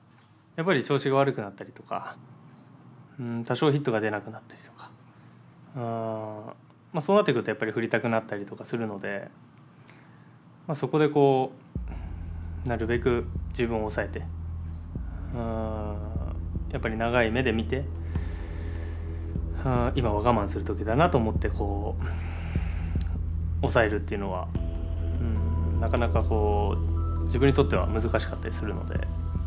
やっぱり調子が悪くなったりとか多少ヒットが出なくなったりとかそうなってくるとやっぱり振りたくなったりとかするのでそこでなるべく自分を抑えてやっぱり長い目で見て今は我慢する時だなと思って抑えるっていうのはなかなか自分にとっては難しかったりするので。